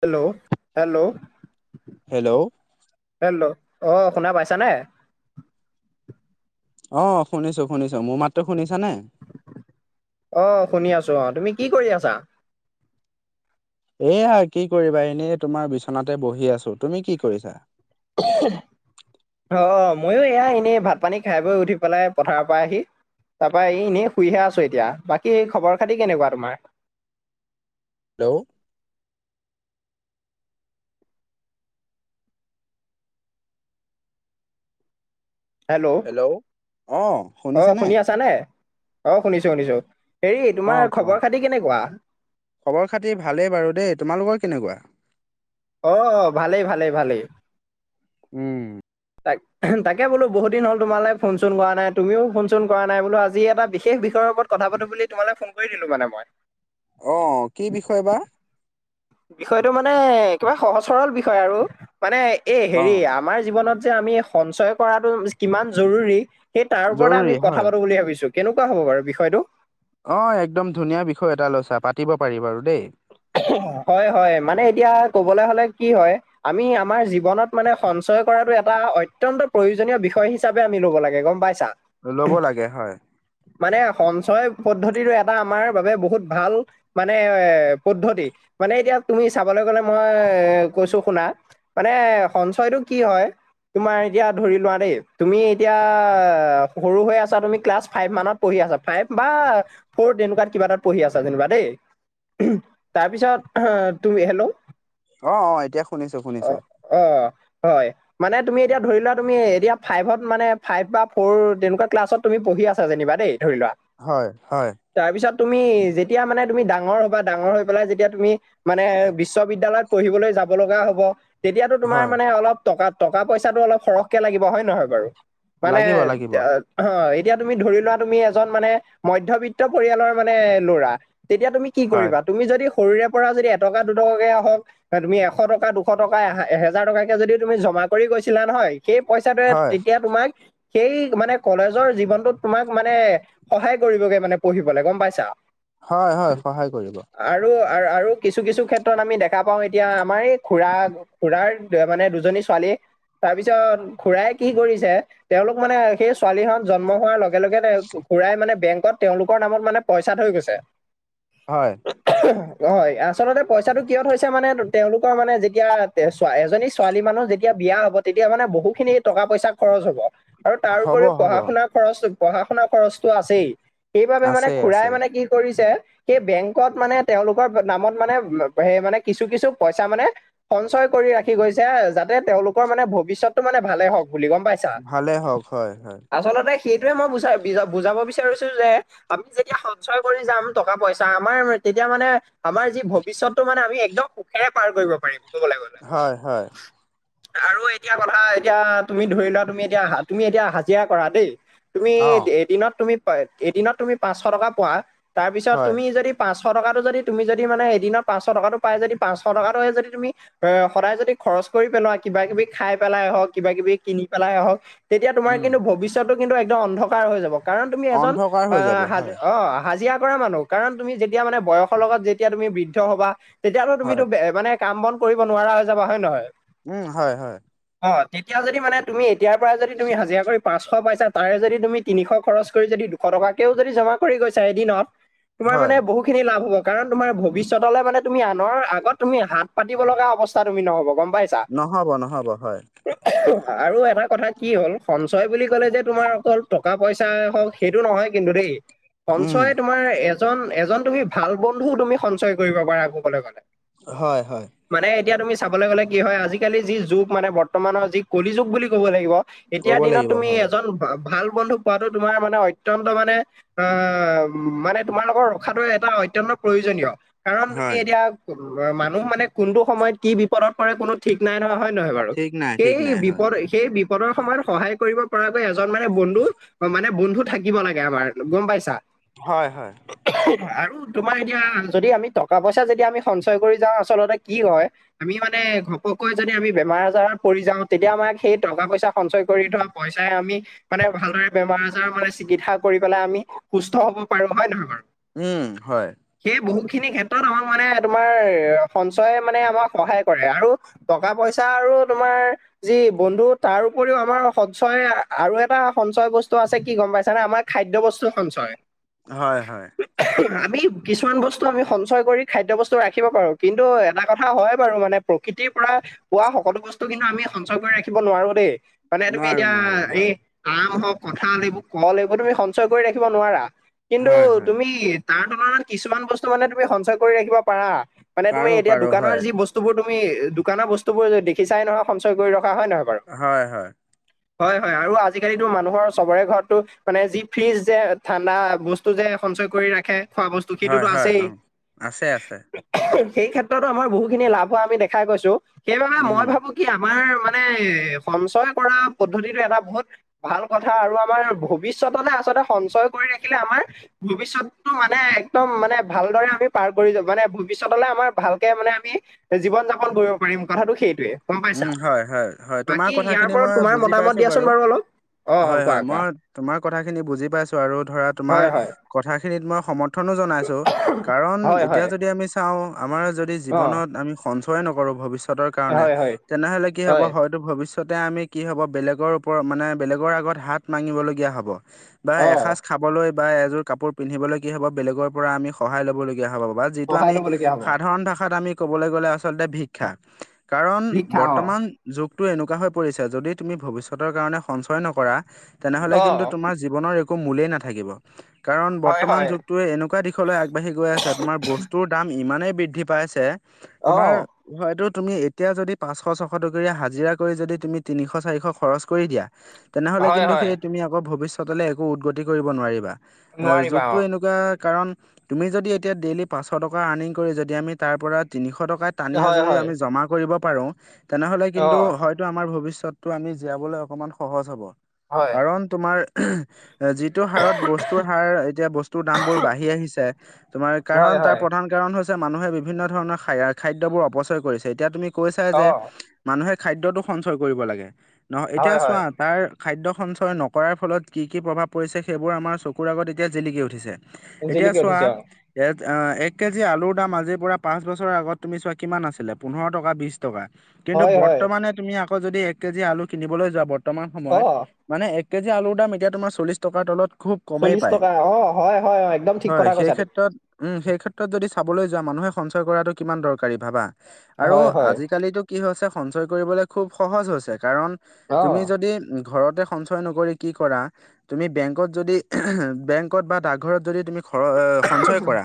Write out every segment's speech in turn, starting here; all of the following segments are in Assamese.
Hello, hello! হেল্ল'! হেল্ল'! অ শুনা পাইছানে? অ শুনিছোঁ শুনিছোঁ। মোৰ মাতটো শুনিছা নাই? অ শুনি আছোঁ অ, তুমি কি কৰি আছা? এয়া কি কৰিবা, এনেই তোমাৰ বিচনাতে বহি আছোঁ। তুমি কি কৰিছা? উহু। অ অ, ময়ো এয়া এনেই ভাত - পানী খাই বৈ উঠি পেলাই পথাৰৰ পৰা আহি তাৰপা এই এনেই শুইহে আছোঁ এতিয়া। বাকী এই খবৰ খাতি কেনেকুৱা তোমাৰ? হেল্ল'! হেল্ল'? অ শুনিছানে? ছানে? অ শুনিছোঁ শুনিছোঁ। হেৰি, অ তোমাৰ কোৱা? খবৰ খাতি কেনেকুৱা? খবৰ খাতি ভালেই বাৰু দেই, তোমালোকৰ কেনেকুৱা? অ অ, ভালেই ভালেই ভালেই। উম তাক- তাকে বোলো বহুত দিন হল তোমালে ফোন চোন কৰা নাই, তুমিও ফোন চোন কৰা নাই বোলো আজি এটা বিশেষ বিষয়ৰ ওপৰত কথা পাতো বুলি তোমালে ফোন কৰি দিলো মানে মই। অঁ, কি বিষয় বা? বিষয়টো মানে একেবাৰে সহজ সৰল বিষয় আৰু। মানে এই অ হেৰি, আমাৰ জীৱনত যে আমি সঞ্চয় কৰাটো কিমান জৰুৰী সেই তাৰ ওপৰতে জৰুৰী আমি হয় কথা পাতোঁ বুলি ভাবিছোঁ। কেনেকুৱা হ'ব বাৰু বিষয়টো? অঁ একদম ধুনীয়া বিষয় এটা লৈছা। পাতিব পাৰি বাৰু দেই। হয় হয়, মানে এতিয়া ক'বলে হলে কি হয় আমি আমাৰ জীৱনত মানে সঞ্চয় কৰাটো এটা অত্যন্ত প্ৰয়োজনীয় বিষয় হিচ হিচাপে আমি ল'ব লাগে গম পাইছা? ল'ব লাগে, হয়। মানে সঞ্চয় পদ্ধতিটো এটা আমাৰ বাবে বহুত ভাল, মানে এ পদ্ধতি। মানে এতিয়া তুমি চাবলৈ গ'লে মই এ কৈছো শুনা মানে সঞ্চয়টো কি হয় তোমাৰ এতিয়া ধৰি লোৱা দেই, তুমি এতিয়া সৰু হৈ আছা তুমি ক্লাছ ফাইভ মানত পঢ়ি আছা। ফাইভ বা ফ'ৰ তেনেকুৱাত কিবা এটাত পঢ়ি আছা যেনিবা দেই। তাৰপিছত তুমি, হেল্ল'? অঁ অঁ, এতিয়া শুনিছোঁ অ শুনিছোঁ। অ, হয়। মানে তুমি এতিয়া ধৰি লোৱা তুমি এতিয়া ফাইভত মানে ফাইভ বা ফ'ৰ তেনেকুৱা ক্লাছত তুমি পঢ়ি আছা যেনিবা দেই। ধৰি লোৱা। হয়, হয়। তাৰপিছত তুমি, যেতিয়া মানে তুমি ডাঙৰ হবা, ডাঙৰ হৈ পেলাই যেতিয়া তুমি মানে বিশ্ববিদ্যালয়ত পঢ়িবলৈ যাব লগা হ'ব, তেতিয়াতো তোমাৰ হয় মানে অলপ টকা, টকা পইচাটো অলপ সৰহকে লাগিব হয় নহয় বাৰু? মানে লাগিব লাগিব অ এতিয়া তুমি ধৰি লোৱা তুমি এজন মানে মধ্যবিত্ত পৰিয়ালৰ মানে ল'ৰা, তেতিয়া তুমি কি হয় কৰিবা তুমি যদি সৰুৰে পৰা যদি এটকা দুটকাকে হওক এ তুমি এশ টকা দুশ টকা এ এহেজাৰ টকাকে যদি তুমি জমা কৰি গৈছিলা নহয় সেই পইচাটোৱে হয় হয় তেতিয়া তোমাক সেই মানে কলেজৰ জীৱনটোত তোমাক মানে সহায় কৰিবগে মানে পঢ়িবলে, গম পাইছা? হয় হয় সহায় কৰিব। আৰু আৰু কিছু কিছু ক্ষেত্ৰত আমি দেখা পাওঁ এতিয়া আমাৰ এই খুৰা খুৰাৰ মানে দুজনী ছোৱালী তাৰপিছত খুৰাই কি কৰিছে তেওঁলোক মানে সেই ছোৱালীহঁত জন্ম হোৱাৰ লগে লগে খুৰাই মানে বেংকত তেওঁলোকৰ নামত মানে পইচা থৈ গৈছে। হয়। হয় আচলতে পইচাটো কিয় থৈছে মানে তেওঁলোকৰ মানে যেতিয়া এজনী ছোৱালী মানুহ যেতিয়া বিয়া হ'ব তেতিয়া মানে বহুখিনি টকা পইচা খৰচ হ'ব। আৰু তাৰ হ'ব উপৰিও পঢ়া হ'ব শুনাৰ খৰচ, পঢ়া শুনা খৰচটো আছেই, সেইবাবে মানে আছে খুৰাই আছে মানে কি কৰিছে সেই বেংক কত মানে তেওঁলোকৰ নামত মানে সেই মানে কিছু কিছু পইচা মানে সঞ্চয় কৰি ৰাখি গৈছে, যাতে তেওঁলোকৰ মানে ভৱিষ্যতটো মানে ভালে হওক বুলি গম পাই চা ভালে হওক হয় হয় আচলতে, সেইটোৱে মই বুজা বুজাব বিচাৰিছো যে, আমি যেতিয়া সঞ্চয় কৰি যাম টকা পইচা, আমাৰ তেতিয়া মানে আমাৰ যি ভৱিষ্যতটো মানে আমি একদম সুখেৰে পাৰ কৰিব পাৰিম। ক'বলৈ গ'লে। হয়, হয়। আৰু এতিয়া কথা এতিয়া তুমি ধৰি লোৱা তুমি এতিয়া তুমি এতিয়া হাজিৰা কৰা দেই। তুমি অ এদিনত তুমি এদিনত তুমি পাঁচশ টকা পোৱা। তাৰ পিছত হয় তুমি যদি, পাঁচশ টকাটো যদি তুমি যদি মানে এদিন পাঁচশ টকাটো পায় যদি পাঁচশ টকাটোৱে যদি তুমি, এ সদায় যদি খৰচ কৰি পেলোৱা, কিবা কিবি খাই পেলাই হওক, কিবা কিবি কিনি পেলাই হওক। তেতিয়া তোমাৰ উম কিন্তু ভৱিষ্যতটো কিন্তু একদম অন্ধকাৰ হৈ যাব। কাৰণ তুমি এজন অন্ধকাৰ অ হৈ যাব হ হয় অ হাজিৰা কৰা মানুহ কাৰণ, তুমি যেতিয়া মানে বয়সৰ লগত যেতিয়া তুমি বৃদ্ধ হ'বা। তেতিয়াহ'লে হয় তুমিটো বে মানে, কাম বন কৰিব নোৱাৰা হৈ যাবা। হয় নহয়? উম, হয় হয়। অ, তেতিয়া যদি মানে তুমি এতিয়াৰ পৰাই যদি তুমি হাজিৰা কৰি পাঁচশ পাইছা। তাৰে যদি তুমি, তিনিশ খৰচ কৰি যদি দুশ টকাকেও যদি জমা কৰি গৈছা এদিনত তোমাৰ হয় মানে বহু খিনি লাভ হ'ব। কাৰণ তোমাৰ ভৱিষ্যতলে মানে তুমি আনৰ আগত তুমি হাত পাতিব লগা অৱস্থা তুমি নহ'ব গম পাইছ নহ'ব নহ'ব হয়। আৰু এটা কথা কি হ'ল, সঞ্চয় বুলি ক'লে যে তোমাৰ অকল টকা পইচাই হওক, সেইটো নহয় কিন্তু দেই। উম সঞ্চয় তোমাৰ এজন এজন তুমি ভাল বন্ধুও তুমি সঞ্চয় কৰিব পাৰা কবলৈ গলে। হয় হয়। মানে এতিয়া তুমি চাবলে গলে কি হয়, আজিকালি যি যুগ মানে বৰ্তমানৰ যি কলি যুগ বুলি ক'ব লাগিব। এতিয়া ক'ব দিনত লাগিব তুমি হয় এজন, ভাল বন্ধু পোৱাটো তোমাৰ মানে অত্যন্ত মানে অ মানে, তোমাৰ লগত ৰখাটো এটা অত্যন্ত প্ৰয়োজনীয়, কাৰণ তুমি হয় এতিয়া মানুহ মানে কোনটো সময়ত কি বিপদত পৰে কোনো ঠিক নাই নহয়। হয় নহয় বাৰু? ঠিক নাই ঠিক সেই নাই হয় বিপদ সেই বিপদৰ সময়ত সহায় কৰিব পৰাকৈ এজন মানে বন্ধু মানে বন্ধু থাকিব লাগে আমাৰ গম পাইছা। হয় হয়। আৰু তোমাৰ এতিয়া যদি আমি টকা পইচা যেতিয়া আমি সঞ্চয় কৰি যাওঁ আচলতে কি হয়, আমি মানে ঘপকৈ যদি আমি বেমাৰ আজাৰত পৰি যাওঁ, তেতিয়া আমাক সেই টকা-পইচা সঞ্চয় কৰি থ পইচাই আমি মানে ভালদৰে বেমাৰ-আজাৰ মানে চিকিৎসা কৰি পেলাই আমি সুস্থ হ'ব পাৰো, হয় নহয় বাৰু? উম, হয়। সেই বহুখিনি ক্ষেত্ৰত আমাক মানে তোমাৰ সঞ্চয় মানে আমাক সহায় কৰে। আৰু টকা-পইচা আৰু তোমাৰ যি বন্ধু, তাৰ উপৰিও আমাৰ সঞ্চয় আৰু এটা সঞ্চয় বস্তু আছে, কি গম পাইছানে? আমাক খাদ্য বস্তু সঞ্চয়। হয় হয়। আমি কিছুমান বস্তু, আমি সঞ্চয় কৰি খাদ্য বস্তু ৰাখিব পাৰো। কিন্তু এটা কথা হয় বাৰু মানে প্ৰকৃতিৰ পৰা পোৱা সকলো বস্তু কিন্তু আমি সঞ্চয় কৰি ৰাখিব নোৱাৰো দেই। মানে তুমি নোৱাৰো এতিয়া নোৱাৰো হয় এই আম হওক, কঁঠাল এইবো, কল এইবো তুমি সঞ্চয় কৰি ৰাখিব নোৱাৰা। কিন্তু হয় হয় তুমি তাৰ তুলনাত কিছুমান বস্তু মানে তুমি সঞ্চয় কৰি ৰাখিব পাৰা। মানে তুমি পাৰো এতিয়া পাৰো দোকানৰ হয় যি বস্ বস্তুবোৰ তুমি, দোকানৰ বস্তুবোৰ যে দেখিছাই নহয় সঞ্চয় কৰি ৰখা, হয় নহয় বাৰু। হয়-হয়। হয়-হয় আৰু আজিকালিতো মানুহৰ চবৰে ঘৰতো মানে যি ফ্ৰিজ যে ঠাণ্ডা বস্তু টো যে সঞ্চয় কৰি ৰাখে খোৱা বস্তু, হয় সেইটোতো হয় আছেই। অ আছে আছে সেই ক্ষেত্ৰতো আমাৰ বহুখিনি লাভ হোৱা আমি দেখাই গৈছো। সেইবাবে উম মই ভাবো কি আমাৰ মানে সঞ্চয় কৰা পদ্ধতিটো এটা বহুত ভাল কথা আৰু আমাৰ ভৱিষ্যতলে আচলতে সঞ্চয় কৰি ৰাখিলে আমাৰ ভৱিষ্যততো মানে, একদম মানে ভালদৰে আমি পাৰ কৰি যাম মানে ভৱিষ্যতলে আমাৰ ভালকে মানে আমি জীৱন-যাপন কৰিব পাৰিম, কথাটো সেইটোৱে। গম পাইছা উম' হয়-হয়-হয়, বাকী তোমাৰ ইয়াৰ কথাখিনি ওপৰত মই তোমাৰ বুজি মতামত পাইছো দিয়াচোন বাৰু। অলপ অ অ কোৱা হয়-হয়, কোৱা মই তোমাৰ কথাখিনি বুজি পাইছো, আৰু ধৰা তোমাৰ হয় হয় কথাখিনিত মই সমৰ্থনো জনাইছো। কাৰণ হয় এতিয়া হয় যদি আমি চাওঁ আমাৰ যদি অ জীৱনত আমি সঞ্চয় নকৰো ভৱিষ্যত সিহঁতৰ কাৰণে, হয় হয় তেনেহলে কি হ'ব হয় হয়তো ভৱিষ্যত ভৱিষ্যতে আমি কি হ'ব, বেলেগৰ ওপৰত মানে বেলেগৰ আগত হাত মাগিব লগীয়া হ'ব। বা অ এসাঁজ খাবলৈ বা এযোৰ কাপোৰ পিন্ধিবলৈ কি হ'ব, বেলেগৰ পৰা আমি সহায় ল'ব লগীয়া হ'ব। বা যিটো সহায় আমি, লবলগীয়া হব সাধাৰণ ভাষাত আমি ক'বলৈ গ'লে আচলতে ভিক্ষা, কাৰণ ভিক্ষা অ বৰ্তমান যুগটো এনেকুৱা হৈ পৰিছে, যদি তুমি ভৱিষ্যতৰ কাৰণে সঞ্চয় নকৰা তেনেহলে অ কিন্তু তোমাৰ জীৱনৰ একো মূলেই নাথাকিব। কাৰণ হয় বৰ্তমান হয় যুগটোৱে এনেকুৱা দিশলৈ আগবাঢ়ি গৈ আছে, তোমাৰ বস্তুৰ দাম ইমানেই বৃদ্ধি পাইছে। অ তোমাৰ, হয়টো তুমি এতিয়া যদি পাঁচশ, ছশ টকীয়া হাজিৰা কৰি যদি তুমি তিনিশ, চাৰিশ খৰচ কৰি দিয়া তেনেহ'লে হয় কিন্তু হয় সেই তুমি আকৌ ভৱিষ্যতলে একো উদগতি কৰিব নোৱাৰিবা। আ, নোৱাৰিবা যোগটো অ এনেকুৱা কাৰণ তুমি যদি এতিয়া ডেইলি পাঁচশ টকা আৰ্নিং কৰি, যদি আমি তাৰ পৰা তিনিশ টকাত টানি হয় আজুৰি হয় আমি জমা কৰিব পাৰোঁ। তেনেহ'লে অ কিন্তু হয়তো আমাৰ ভৱিষ্যতটো আমি জীয়াবলৈ অকণমান সহজ হ'ব। হয় কাৰণ তোমাৰ যি যিটো হাৰত বস্তুৰ হাৰ, এতিয়া বস্তু দামবোৰ বাঢ়ি আহিছে, কাৰণ হয় তোমাৰ হয় প্ৰধান কাৰণ হৈছে মানুহে বিভিন্ন ধৰণৰ খাই খাদ্যবোৰ অপচয় কৰিছে। এতিয়া তুমি কৈছাই যে অ মানুহে খাদ্যটো সঞ্চয় কৰিব লাগে। নহয় এতিয়া হয় হয় চোৱা তাৰ খাদ্য সঞ্চয় নকৰাৰ ফলত কি-কি প্ৰভাৱ পৰিছে, সেইবোৰ আমাৰ চকুৰ আগত এতিয়া জিলিকি উঠিছে। এতিয়া জিলিকি চোৱা উঠিছে অ ইয়াত এক কেজি আলুৰ দাম আজিৰ পৰা পাঁচ বছৰৰ আগত তুমি চোৱা কিমান আছিলে, পোন্ধৰ টকা বিশ টকা কিন্তু হয় হয় বৰ্তমানে তুমি আকৌ যদি এক কেজি আলু কিনিবলৈ যোৱা, বৰ্তমান অ সময়ত মানে এক কেজি আলুৰ দাম এতিয়া তোমাৰ চল্লিছ টকা তলত খুব কমেই চল্লিশ পায়, টকা অ হয় হয় অ একদম ঠিক হয় কথা সেই কৈছা তুমি ক্ষেত্ৰত, উম সেই ক্ষেত্ৰত যদি চাবলৈ যোৱা মানুহে সঞ্চয় কৰাটো কিমান দৰকাৰী ভাবা আৰু, হয় হয় আজিকালিটো কি হৈছে সঞ্চয় কৰিবলৈ খুব সহজ হৈছে কাৰণ অ তুমি যদি ঘৰতে, সঞ্চয় নকৰি কি কৰা, তুমি বেংকত যদি বেংকত বা ডাগঘৰত যদি তুমি, ঘৰ সঞ্চয় কৰা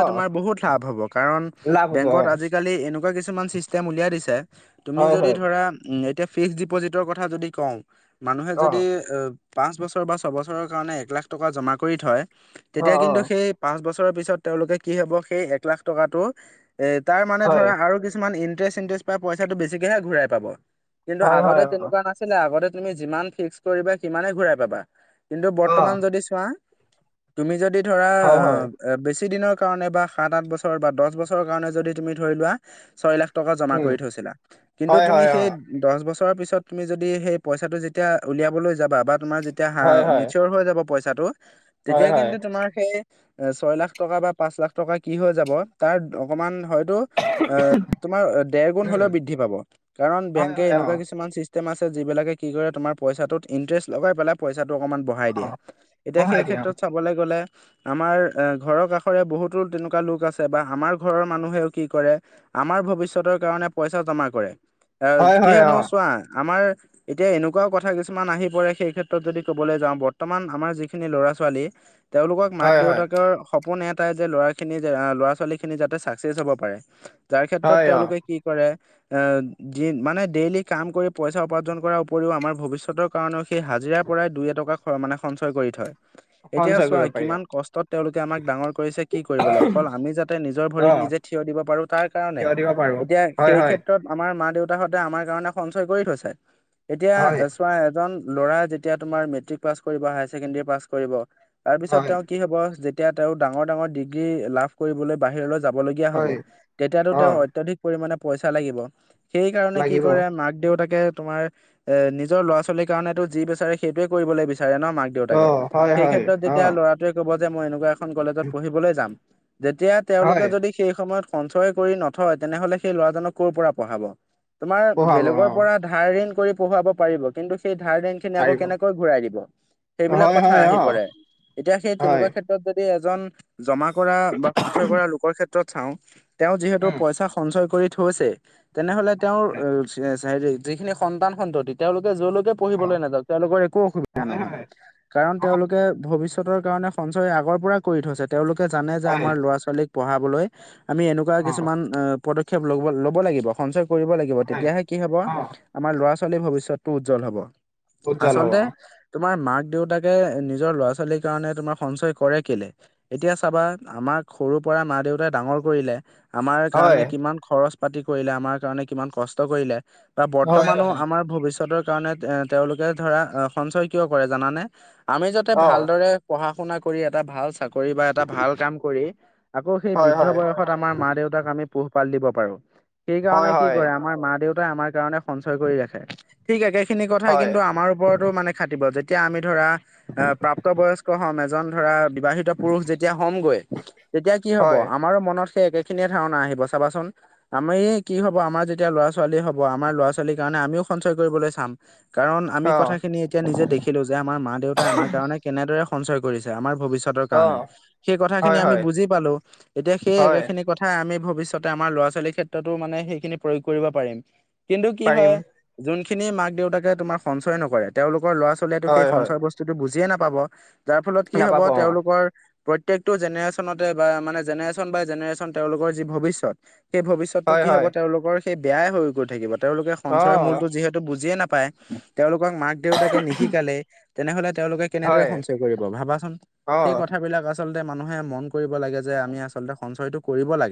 অ তোমাৰ বহুত লাভ হব কাৰন লাভ হ'ব অ বেংকত আজি, আজিকালি এনেকুৱা কিছুমান চিষ্টেম উলিয়াই দিছে তুমি হয় যদি হয় ধৰা, এতিয়া ফিক্সড ডিপ'জিটৰ কথা যদি কওঁ মানুহে অ যদি, পাঁচ বছৰ বা ছবছৰৰ কাৰণে এক লাখ টকা জমা কৰি থয় অ তেতিয়া অ কিন্তু সেই, পাঁচ বছৰৰ পিছত তেওঁলোকে কি হব সেই এক লাখ টকাটো এ তাৰ মানে হয় ধৰা আৰু কিছু মান ইণ্টাৰেষ্ট -চিন্তাৰেষ্ট পাই পইছাটো বেছিকেহে ঘূৰাই পাব, কিন্তু হয় আগতে হয় অ তেনেকুৱা নাছিল। কিন্তু আগতে তুমি যিমান ফিক্স কৰিবা সিমানে ঘুৰাই পাবা কিন্তু অ বৰ্তমান যদি চোৱা, তুমি যদি ধৰা হয় অ হয় বেছি দিনৰ কাৰণে বা সাত আঠ বছৰ বা দচ বছৰৰ কাৰণে যদি তুমি ধৰি লোৱা ছয় লাখ, টকা জমা উম কৰি থৈছিলা কিন্তু হয় তুমি হয় অ সেই, দছ বছৰৰ পিছত তুমি যদি সেই পইচাটো যেতিয়া উলিয়াবলৈ যাবা বা, তোমাৰ যেতিয়া হা হয় হয় মিছিয়ৰ হৈ যাব পইচাটো হয় তেতিয়া হয় কিন্তু তোমাৰ সেই, এ ছয় লাখ টকা বা পাঁচ লাখ টকা কি হৈ যাব তাৰ অকমান হয়তো, তোমাৰ দেৰ গুণ হলেও উম বৃদ্ধি পাব, কাৰণ হয় বেংকে হয় অ এনেকুৱা কিছুমান চিছ- ষ্টেম আছে যিবিলাক কি কৰে তোমাৰ পইচাটোত ইন্টাৰেষ্ট লগাই পেলাই পইচাটো অকণমান, বঢ়াই অ দিয়ে এতিয়া বঢ়াই সেই দিয়ে অ ক্ষেত্ৰত চাবলৈ গলে, আমাৰ এ ঘৰৰ কাষৰে বহুতো তেনেকুৱা লোক আছে বা আমাৰ ঘৰৰ মানুহেও কি কৰে, আমাৰ ভৱিষ্যতৰ কাৰণে পইচা জমা কৰে হয় এ কি হয় অ হেনো চোৱা আমাৰ, এতিয়া এনেকুৱাও কথা কিছুমান আহি পৰে সেই ক্ষেত্ৰত যদি কবলৈ যাওঁ বৰ্তমান আমাৰ যিখিনি ল'ৰা ছোৱালী, তেওঁলোকক মাক হয় হয় দেউতাকৰ, সপোন এটাই যে ল'ৰাখিনি ল'ৰা ছোৱালীখিনি যাতে ছাকচেছ হ'ব পাৰে যাৰ ক্ষেত্ৰত হয় অ তেওঁলোকে, কি কৰে এ মানে ডেইলি কাম কৰি পইচা উপাৰ্জন কৰাৰ উপৰিও আমাৰ ভৱিষ্যতক, কাৰণেও সেই হাজিৰাাৰ পৰাই দুই এটকা মানে সঞ্চয় কৰি থয়। এতিয়া সঞ্চয় চোৱা কৰিব পাৰি অ কিমান কষ্টত তেওঁলোকে এতিয়া চোৱা কিমান কষ্টত তেওঁ লোকে আমাক ডাঙৰ কৰিছে কি কৰিবলে অকল আমি যাতে নিজৰ অ ভৰিত নিজে থিয় দিব পাৰো। তাৰ কাৰণে, থিয় দিব পাৰো এতিয়া হয় সেই হয় ক্ষেত্ৰত। তত আমাৰ মা দেউতাাহঁতে আমাৰ কাৰণে সঞ্চয় কৰি থৈছে এতিয়া হয় চোৱা এজন, ল'ৰা যেতিয়া তোমাৰ মেট্ৰিক পাছ কৰিব হায়াৰ ছেকেণ্ডৰী পাছ কৰিব তাৰ পিছত হয় তেওঁ কি হব যে, তেতিয়া তেওঁ ডাঙৰ ডাঙৰ ডিগ্ৰী লাভ কৰিবলৈ বাহিৰলৈ যাব লগীয়া হ'ব হয় তেতিয়াাটো অ তেওঁৰ অত্যাধিক, পৰিমাণে পইচা লাগিব সেইকাৰণে কি লাগিব কৰে মাক দেউতাকে তোমাৰ, এ নিজৰ ল'ৰা ছোৱালীৰ কাৰণেতো যি বিচাৰে সেইটোৱে কৰিবলৈ বিচাৰে ন মাক- অ দেউতাকে হয় সেই হয় ক্ষেত্ৰত অ যেতিয়া ল'ৰা, যে ক'ব যে মই এনেকুৱা এখন কলেজত পঢ়িবলৈ যাম তেতিয়া তেওঁলোকে হয় যদি সেই সময়ত, সঞ্চয় কৰি নথয়, তেনেহলে সেই ল'ৰাজনক কৰ' পৰা পঢ়াব। তোমাৰ পঢ়াব অ বেলেগৰ পৰা, ধাৰ ঋণ কৰি পঢ়ুৱাব পাৰিব কিন্তু সেই ধাৰ ঋণ, সেইখিনি আকৌ পাৰিব কেনেকৈ ঘূৰাই দিব সেইবিলাক হয় কথা হয় আহি অ পৰে এতিয়া সেই হয় তেনেকুৱা ক্ষেত্ৰত, এই ক্ষেত্ৰত যদি এজন জমা কৰা বা সঞ্চয় কৰা লোকৰ ক্ষেত্ৰত চাওঁ, তেওঁ যিহেতু উম পইচা সঞ্চয় কৰি থৈছে তেনেহলে তেওঁৰ, হেৰি যিখিনি সন্তান সন্ততি তেওঁলোকে যলৈকে পঢ়িবলৈ নাযাওক, তেওঁলোকৰ একো অসুবিধা হয় নহয়। হয় কাৰণ অ তেওঁলোকে ভৱিষ্যতৰ কাৰণে সঞ্চয় আগৰ পৰা কৰি থৈছে তেওঁলোকে জানে যে হয় আমাৰ ল'ৰা ছোৱালীক, পঢ়াবলৈ আমি এনেকুৱা অ কিছুমান আ পদক্ষেপ লব ল'ব লাগিব সঞ্চয়, কৰিব লাগিব হয় তেতিয়াহে কি হব অ আমাৰ ল'ৰা ছোৱালীৰ ভৱিষ্যতটো উজ্জ্বল হব। উজ্জ্বল হ'ব আচলতে, তোমাৰ মাক দেউতাকে নিজৰ ল'ৰা ছোৱালীৰ কাৰণে তোমাৰ সঞ্চয় কৰে কেলে, এতিয়া চাবা আমাক সৰুৰ পৰা মা দেউতাই ডাঙৰ, কৰিলে, আমাৰ হয় কাৰণে কিমান খৰচ পাতি কৰিলে, আমাৰ কাৰণে কিমান কষ্ট কৰিলে, বা হয় বৰ্তমানো হয় আমাৰ ভৱিষ্যতৰ কাৰণে এ তেওঁলোকে ধৰা সঞ্চয় কিয় কৰে জানানে? আমি যাতে অ ভালদৰে পঢ়া শুনা কৰি এটা ভাল চাকৰি, কৰি বা এটা ভাল কাম কৰি আকৌ সেই বি হয় হয় দ্ধ বয়সত আমাৰ মা দেউতাক আমি পোহপাল দিব পাৰো। হয় সেইকাৰণে কি হয় কৰে আমাৰ মা দেউতাই আমাৰ কাৰণে, সঞ্চয় কৰি ৰাখে। ঠিক একেখিনি কথাই হয় কিন্তু আমাৰ ওপৰতো মানে খাাটিব যেতিয়া আমি ধৰা, আহ প্ৰাপ্ত বয়স্ক হম এজন ধৰা বিবাহিত পুৰুষ যেতিয়া হ'মগৈ তেতিয়া কি হ'ব হয় আমাৰো মনত সেই একেখিনিয়ে ধাৰণা আহিব চাবাচোন। আমি কি হব আমাৰ যেতিয়া ল'ৰা ছোৱালী হ'ব আমাৰ ল'ৰা ছোৱালীৰ কাৰণে আমিও সঞ্চয় কৰিবলৈ চাম। কাৰণ আমি অ', কথাখিনি এতিয়া নিজে দেখিলো যে আমাৰ মা দেউতাই আমাৰ কাৰণে কেনেদৰে সঞ্চয় কৰিছে আমাৰ ভৱিষ্যতৰ কাৰণে অ', সেই কথা হয়, খিনি আমি হয়, বুজি পালো এতিয়া সেই একে হয়, খিনি কথা হা আমি ভৱিষ্যতে আমাৰ ল'ৰা ছোৱালীৰ ক্ষেত্ৰতো মানে সেইখিনি প্ৰয়োগ কৰিব পাৰিম কিন্তু কি পাৰিম হয় যোনখিনি মাক দেউতাকে তোমাৰ সঞ্চয় নকৰে তেওঁলোৰ ল'ৰা ছোৱালীয়ে টো সেই হয়, হয়, সঞ্চয় বস্তু [unintelligible] বুজিয়ে নাপাব যাৰ ফলত কি হ'ব নাপাব অ', তেওঁলোকৰ প্ৰত্যেকটো জেনেৰেচনতে বা মানে জেনেৰেশচন বাই জেনেৰেচন তেওঁলোকৰ যি ভৱিষ্যত সেই ভৱিষ্যতটো হয়, কি হ'ব হয়, তেওঁলোকৰ সেই বেয়াই হৈ গৈ থাকিব তেওঁলোকে সঞ্চয়ৰ অ', মূলটো যিহেতু বুজিয়ে নাপায় পায় তেওঁলোকক মাক দেউতাকে নিশিকালেই তেনেহলে তেওঁলোকে কেনেদৰে হয়, সঞ্চয় কৰিব ভাবাচোন, সেই অ'। কথাবিলাক আচলতে মানুহে মন কৰিব লাগে যে আমি আচলতে সঞ্চয়টো কৰিব লাগে।